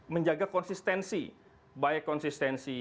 menjaga konsistensi baik konsistensi